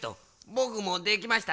ぼくもできました。